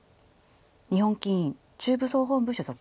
日本棋院中部総本部所属。